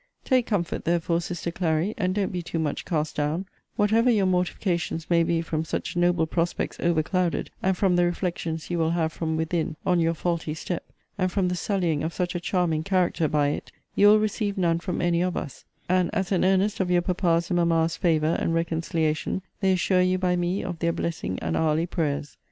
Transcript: Take comfort, therefore, sister Clary, and don't be too much cast down whatever your mortifications may be from such noble prospects over clouded, and from the reflections you will have from within, on your faulty step, and from the sullying of such a charming character by it, you will receive none from any of us; and, as an earnest of your papa's and mamma's favour and reconciliation, they assure you by me of their blessing and hourly prayers.